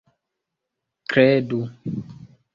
kredu